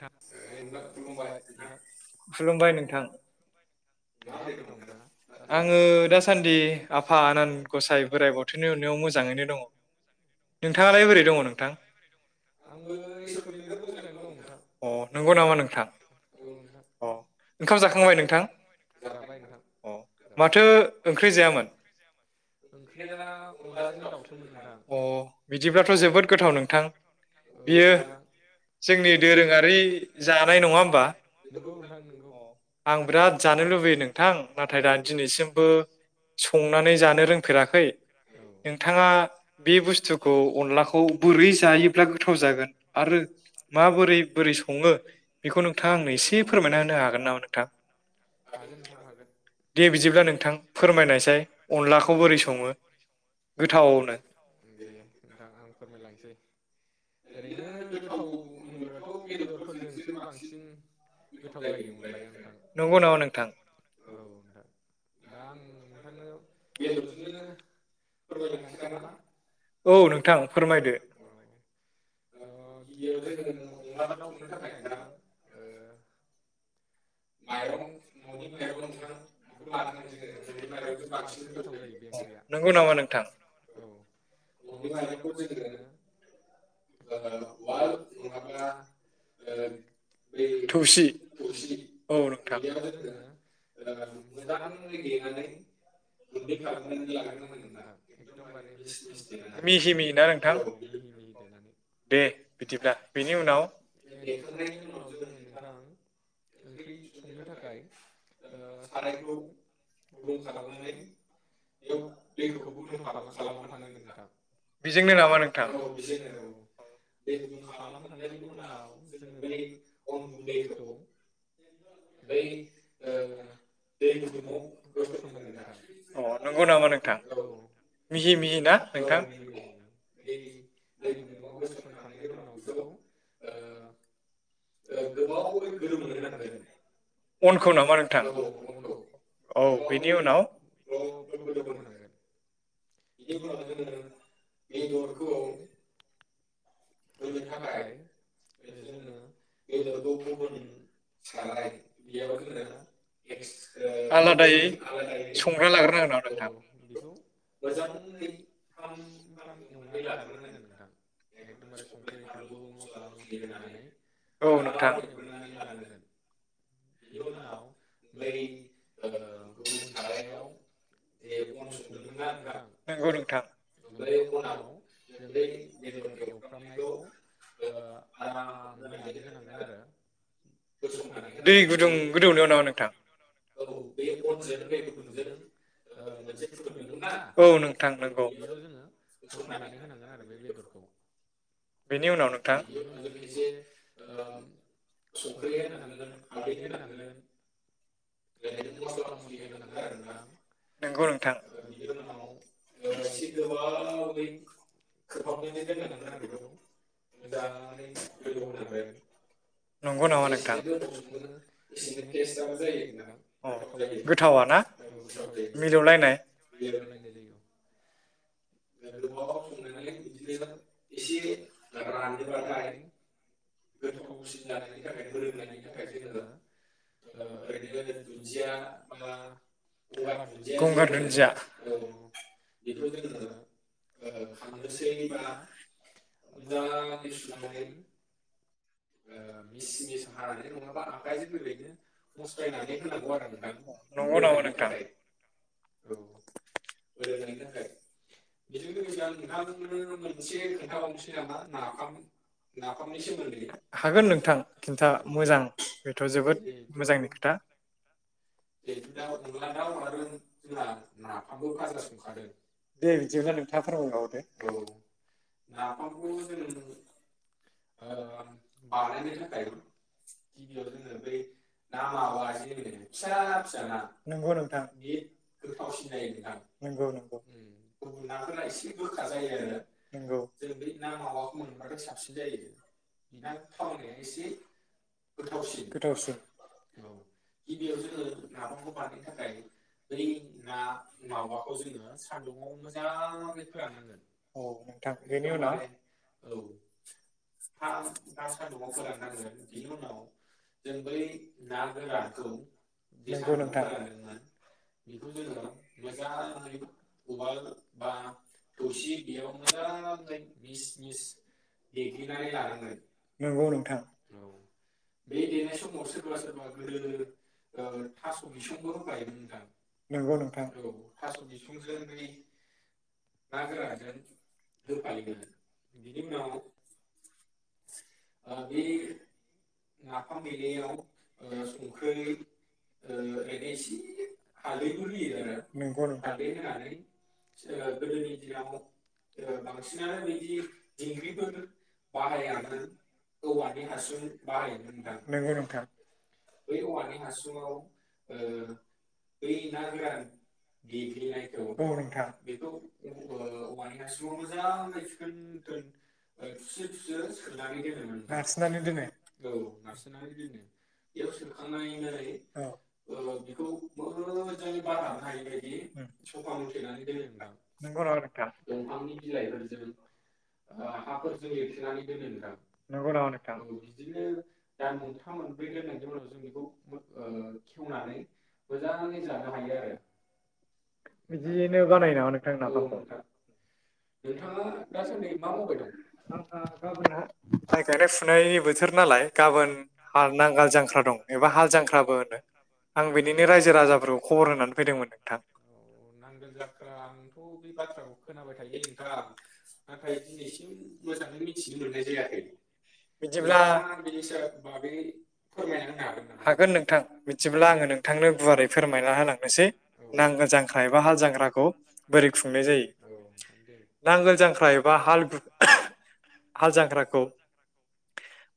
ओइ नोंथां खुलुमबाय नोंथां खुलुमबाय नोंथां। माबोरै दं नोंथाङा दासान्दि? आङो आंबो दासान्दि दासानदि [unintelligible] आफा आनान गसाइ बोराइ बाथौनि नोंथाङालाय अननायाव बोरै दं? मोजाङैनो दङ नोंथाङालाय बोरै दङ नोंथां आंबो इसोरनि अननायाव मोजाङै दं। नोंथां अ नंगौ नामा नोंथां औ नोंथां अ ओंखाम जाखांबाय नोंथां? जाबाय नोंथां जाबाय माथो ओंख्रि जायामोन ओंख्रि मा अनलाजों दाउसोमोन नोंथां अ बिदिब्लाथ' जोबोद गोथाव नोंथां औ नोंथां। बै जानाय नङा होमबा नोंगौ नोंथां नोंगौ औ आं बिराद जानो लुबैयो नोंथां नाथाय दिनै सिमबो संनानै जानो रोंफेराखै औ नोंथांङा बि बुसथुखौ अनलाखौ बोरै जायोब्ला गोथाव जागोन आरो मा? बोरै सङो बेखौ नोंथाङा आंनो एसे फोरमायना होनो हागोन नामा नोंथां। हागोन नोंथां हागोन दे बिदिब्ला नोंथां फोरमायनायसाय अनलाखौ बोरै सङो गोथावनो दे नोंथां आं फोरमायलांसै। [inaudible] ओरैनो गोथाव होनोबाथ' बेदरफोरजोंसो बांसिन गोथाव जायो अनलाया नोंथां नंगौ नामा नोंथां? औ नोंथां। दा आं नोंथांनो बेदरजोंनो फोरमायलांसै नामा औ नोंथां फोरमायदो। ओ गिबियाव जोङो अनला दाउ संनो थाखाय नोंथां ओ माइरं ननि माइरं नोंथां बेखौ लानांगोन जोङो ननि माइरंजों बांसिन गोथाव जायो बे ओंख्रिया नंगौ नामा नोंथां? औ। ननि माइरंखौ जोङो ओ उवाल नङाबा ओ बै थौसि थौसि औ बेयाव जोङो नोंथां। मोजाङै देनानै गुन्दै खालामनानै लाग्रोनांगोन नोंथां एकदमबारे मिस मिस देनानै मिहि मिहि ना नोंथां औ मिहि मिहि देनानै। दे बिदिब्ला। बेनि उनाव देखांनायनि उनाव जोङो नोंथां ओंख्रि संनो थाखाय ओ सारायखौ गुदुं खालामनानै बेयाव दैखौबो गुदुं खाला-खालामफानांगोन नोंथां बेजोंनो नामा नोंथां औ बेजोंनो औ दै गुदुं खा खालामखांनायनि उनाव जोङो बै अन गुन्दैखौ बै ओ दै गुदुंआव होसननांगोन नोंथां अ नंगौ नामा नोंथां औ मिहि मिहि ना औ नोंथां मिहि मिहि बै दै गुदुंआव होसनखांनायनि उनाव बि खौ ओ ओ गोबावै गोदौनो होनांगोन अनखौ नामा नोंथां औ अनखौ औ बेनि गोबावै उनाव ग्लब ग्लब गोदौ होनांगोन। बिनि उनाव जोङो बेदरखौ होनो थाखाय ओ जोङो बेदरखौ गुबुन साराय बेयाव जोङो एक्स ओ आलादायै गुबुनै आलादायै संना लाग्रोनांगोन नामा ओ नोंथां बेखौ मोजाङै फ्राम फ्राम एवनानै लाग्रोनांगोन नोंथां एकदमबारे संख्रै फानलु मस्ला मस्लि होनानै औ नोंथां आराम एवग्रोनानै लानांगोन बिनि उनाव बै ओ गुबुन सारायाव जे अन संदोंमोन ना नोंथां नंगौ नोंथां बै अनाव जों बै बेदर फ्रामनायखौ ओ आराम होनानै होनांगोन आरो होसनना [inaudible] औ दै गुदुं गोदौनायाव नामा नोंथां बे अनजों दै गुदुंजों मोनसे फुदुंदोंमोन ना औ नोंथां औ नंगौ बेयाव जोङो होसननानै होनांगोन आरो बे बेदरखौ बेनि उनाव नोंथां बिनि उनाव जों एसे ओ संख्रि होनांगोन हालदै होनांगोन ओरैनो मस्ला मस्लि होनांगोन आरो नोंथां नंगौ नोंथां बिनि उनाव ओ एसे गोबावै खोबहाबनानै [inaudible] मोजाङै गोदौ होनांगोन नंगौ नामा नोंथां जसेनो गोबाव सङो एसेनो टेस्टआबो जायो अ गोथाव जायो गोथावा ना औ गोथाव जायो मिलौलायनाय [inaudible] जायो गोबाव संनानै बिदिनो एसे रानोबाथाय गोथावसिन जानायनि थाखाय मोदोमनायनि थाखाय जोङो ओ ओरैनो दुन्दिया बा गंगार दुन्दिया जे गंगार होनो दुन्दिया औ बेखौ जोङो ओ खांनोसै खांनोसैबा बा मोजाङै सुनानै मिस मिस हानानै नङाबा आखाइजों ओरैनो मस्रायनानै होनांगौ आरो नोंथां नंगौ नामा मोदोमनायनि नोंथां थाखाय औ मोदोमनायनि थाखाय बेजों लोगोसे आं नोंथांनो मोनसे [inaudible] खोन्थाबावनोसै नामा नाफाम नाफामनि सोमोन्दै हागोन नोंथां खिन्था औ मोजां बेथ जोबोद जिहेथु मोजांनि खोथा जिहेथु दा अनला दाउ आरो जोंहा नाफामबो फाजा संखादों औ [unintelligible] नाफामखौ जों ओ बानायनो थाखाय गिबियाव जोङो बै ना मावा जे होनो फिसा फिसा ना नंगौ नोंथां बि गोथावसिन जायो नोंथां। गुबुन नाफोरा एसे [inaudible] गोखा आरो जायो नंगौ जों बे ना मावाखौ मोनोबाथाय साबसिन जायो बिना थावनाया एसे गोथावसिन औ गिबियाव जोङो नाफामखौ बानायनो थाखाय बै ना मावाखौ जोङो सानदुं [inaudible] औ नोंथां बेनि उनाव एकदमबारे औ फ्राम फ्राम सान्दुंङाव फोराननांगोन बिनि उनाव जों बै ना गोरानखौ जे नंगौ सानदुंङाव नोंथां फोरानदोंमोन बेखौ जोङो मोजाङै उवाल बा थौसि बेयाव मोजां देग्लिनानै लानांगोन नंगौ नोंथांं औ बे देनाय समाव सोरबा सोरबा गोदो ओ थास' बिसंबो होफायोमोन नोंथां नंगौ नोंथां औ थास' बिसंजों बै ना गोरानजों होफायोमोन बिनि उनाव ओ बै नाफाम देनायाव ओ संख्रै ओ ओरैनो एसे हालदैबो होयो आरो हालदै होनानै ओ गोदोनि दिनाव ओ बांसिनानो बिदि दिंग्रिफोर बाहायामोन औवानि हासुं बाहायोमोन नोंथां नंगौ नोंथां बै औवानि हासुङाव ओ बै ना गोरान देग्लिनायखौ औ नोंथां बेखौ अ ओ औवानि हासुङाव मोजाङै थोन थोन ओ थुसो थुसो सोनानै दोनोमोन नोंथां नारसिननानै दोनो औ नारसोनानै दोनो। बेयाव सोखांनानै औ ओ बेखौ मोजाङै बारहाबनो हायिबायदि नंगौ दंफांनि नामा बिलाइफोरजों ओ नोंथां हाफोरजों लिरथेनानै दोनो नोंथां नंगौ औ नामा बिदिनो दान मोनथाम मोनब्रै नोंथां दोननायनि उनाव जों बेखौ मो ओ खेवनानै मोजाङै जानो हायो आरो नोंथां बिदियैनो बानायो नामा नोंथां औ नाफामखौ? नोंथां नोंथाङा दासान्दि मा मावबाय दं माइ गायनाय फुनायनि बोथोर नालाय गाबोन हा जांख्रा दं एबा हाल जांख्राबो होनो आं औ बिनिनो रायजो राजाफोरखौ खबर होनानै फैदोंमोन नोंथां। औ नांगोल जाख्रा आंथ' बे बाथ्राखौ खोनाबाय थायोलै नोंथां नाथाय दिनैसिम मोजाङै मिथिनो मोननाय जायाखै बिदिब्ला नोंथाङा बेनि सायाव बागै फोरमायना होनो नामा आंनो हागोन नोंथां बिदिब्ला आङो नोंथांनो गुवारै फोरमायना होलांनोसै औ नांगोल जांख्रा एबा हाल जांख्राखौ बोरै खुंनाय जायो। औ नोंथां दे नांगोल जांख्रा एबा हाल [unintelligible] हाल जांख्राखौ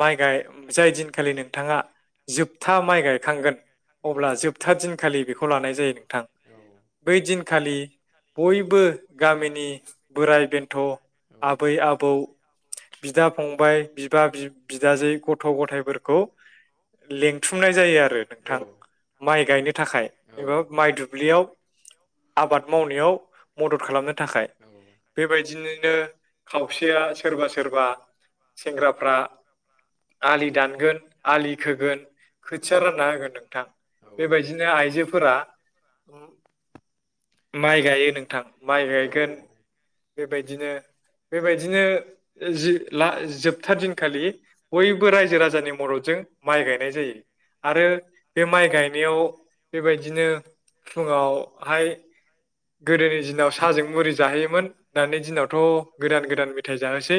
माइ गाय जाय दिनखालि नोंथाङा जोबथा माइ गायखांगोन औ अब्ला जोबथा दिनखालि बेखौ लानाय जायो नोंथां। औ बै दिनखालि बयबो गामिनि बोराइ बेन्थ' औ आबै आबौ बिदा फंबाय बिबा बि'बि बाजै गथ' गथायाइफोरखौ लेंथुमनाय जायो आरो नोंथां माइ गायनो थाखाय एबा माइ दुब्लियाव आबाद मावनायाव मदद खालामनो थाखाय औ बेबायदिनो खावसेया सोरबा सोरबा सेंग्राफ्रा आलि दानगोन आलि खोगोन खोथिया रानना होगोन नोंथां औ बेबायदिनो आइजोफोरा माइ गायो नोंथां माइ गायगोन बेबायदिनो बेबायदिनो जि ला जोबथा दिनखालि बयबो रायजो राजानि मददजों माइ गायनाय जायो आरो बे माइ गायनायाव बेबायदिनो फुङाव हाय गोदोनि दिनाव साजों मुरि जाहोयोमोन दानि दिनावथ' गोदान गोदान मेथाइ जाहोसै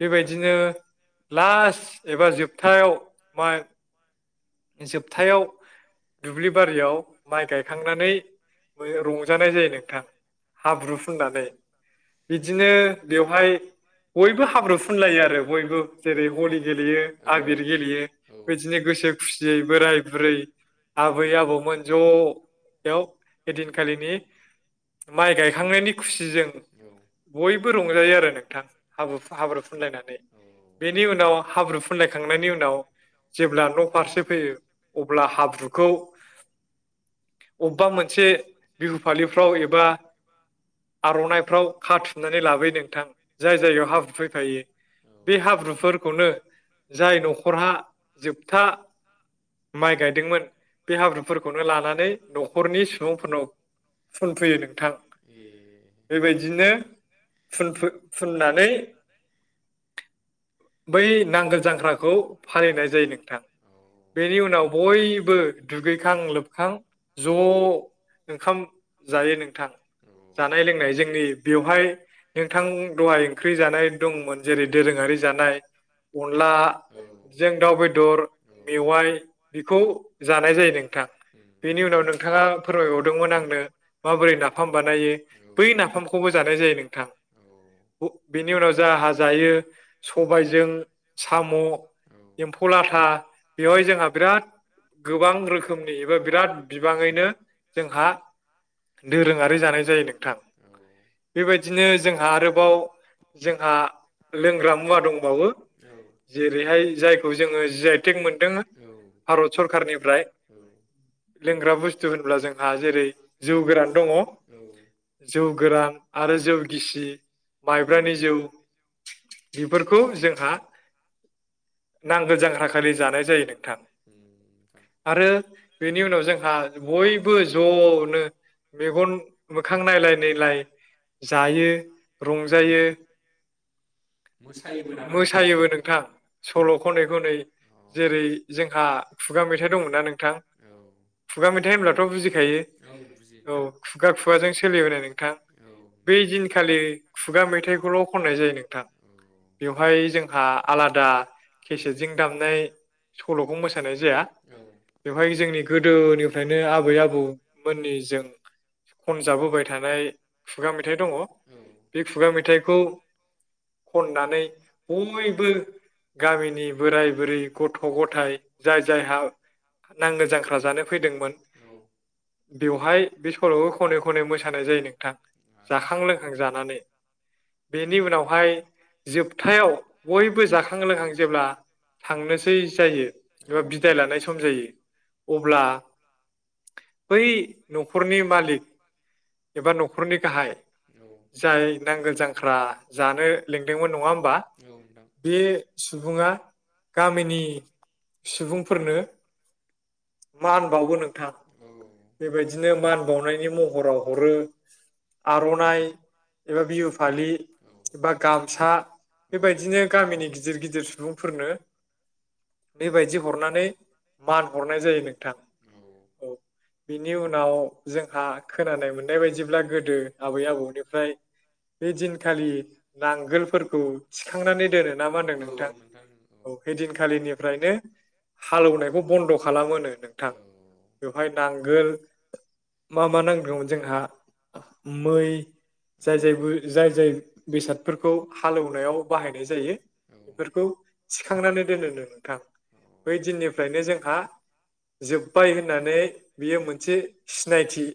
बेबायदिनो लास्ट एबा जोबथायाव बा जोबथायाव दुब्लि बारियाव माइ गायखांनानै रंजानाय जायो नोंथां हाब्रु फुननानै बिदिनो बेवहाय बयबो हाब्रु फुनलायो आरो बयबो जेरै हलि गेलेयो आबिर गेलेयो बिदिनो गोसो खुसियै बोराय बुरै आबै आबौमोन ज [unintelligible] बेदिनखालिनि माइ गायखांनायनि खुसिजों बयबो रंजायो आरो नोंथां हाब हाब्रु फुनलायनानै बे नि उनाव हाब्रु फुनलायखांनायनि उनाव जेब्ला नफारसे फैयो अब्ला हाब्रुखौ अबा मोनसे मोनसे बिहु फालिफ्राव एबा आरनाइफ्राव खाथुमनानै लाबोयो नोंथां जाय जायगायाव हाब्रु फैफायो बे हाब्रुफोरखौनो जाय नखरहा जोबथा माइ गायदोंमोन बे हाब्रुफोरखौनो लानानै नख सुबुंफोरनाव फुनफैयो नोंथां बेबायदिनो फु फुननानै बै नांगोल जांख्राखौ फालिनाय जायो नोंथां बेनि उनाव बयबो दुगैखां लोबखां ज ओंखाम जायो नोंथां जानाय लोंनाय जोंनि बेवहाय नोंथां दहाय ओंख्रि जानाय दंमोन जेरै दोरोङारि जानाय अनलाजों दाउ बेदर मेवाइ बेखौ जानाय जायो नोंथां बेनि उनाव नोंथाङा फोरमायबरदोंमोन आंनो माबोरै नाफाम बानायो बै नाफामखौबो जानाय जायो नोंथां बेनि उनाव जाहा जायो सबायजों साम एम्फौ लाथा बेवहाय जोंहा बिराद गोबां रोखोमनि एबा बिराद बिबाङैनो जोंहा दोरोङारि जानाय जायो नोंथां बेबायदिनो जोंहा आरोबाव जोंहा लोंग्रा मु जेरैहाय जायखौ जोङो जि आइटेक मोनदों भारत सरखारारनिफ्राय लोंग्रा बुस्थु होनब्ला जों जेरै जौ गोरान दङ जौ गोरान आरो जौ गिसि माइब्रानि जौ बेफोरखौ जोहा नांगोल जांख्राखालि जानाय जायो नोंथां उम आरो बेनि उनाव जोंहा बय बो जनो मेगन मोखां नायलाय नायलाय जायो रंजायो मोसायोबो नामा मोसायोबो नोंथां। सल खनै खनै अ जेरै जोंहा खुगा मेथाइ दंमोन ना नोंथां खुगा मेथाइ होनब्ला थ बुजिखायो औ औ खुगा खुगाजों सोलिबोनाय नोंथां औ बै दिनखालि खुगा मेथाइखौल खननाय जायो नोंथां बेवहाय जोंहा आलादा केसेटजों दामनाय सलखौ मोसानाय जाया बेवहाय जोंनि गोदोनिफ्रायनो आब आबै आबौमोननि जों खनजाबोबाय थानाय खुगा मेथाइ दङ औ बे खुगा मेथाइखौ खननानै बयबो गामिनि बोराय बुरै गथ गथाय जाय जायहा नांगोल जांख्रा जानो फैदोंमोन औ बेवहाय बे सलखौ खनै खनै मोसानाय जायो नोंथां जाखां लोंखां जानानै बेनि उनावहाय जोबथायाव बयबो जाखां लोंखां जेब्ला थांनोसै जायो एबा बिदाय लानाय सम जायो अब्ला बै नखरनि मालिक एबा नखरनि गाहाय औ जाय नांगोल जांख्रा [unintelligible] जानो लेंदोंमोन नङा होमबा बे सुबुङा गामिनि सुबुंफोरनो मा होनबावगोन नों था औ बेबायदिनो मान बावनायनि महराव हरो आरनाइ एबा बिहु फालि बा गामसा बेबायदिनो गामिनि गिदिर गिदिर सुबुंफोरनो बेबायदि हरनानै मान हरनाय जायो नों थां औ। बिनि उनाव जोंहा खोनानो मोननाय बायदिब्ला गोदो आबै आबौनिफ्राय बे दिनखालि नांगोलफोरखौ थिखांनानै दोनो ना मा होन्दों नोंथां औ नोंथां औ हेदिनखालिनिफ्रायनो हालेवनायखौ बन्द खालामोनो। नोंथां। बेवहाय नांगोल मा मा नांगौमोन जोंहा मै जाय जाय जाय जाय बेसादफोरखौ हालेवनायाव बाहायनाय जायो बेफोरखौ थिखांनानै दोनोनो नोंथां बै दिननिफ्रायनो जोंहा बाय होननानै बियो मोनसे सिनायथि।